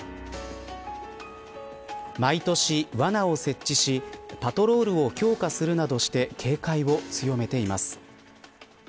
毎年、わなを設置しパトロールを強化するなどして警戒を強めています。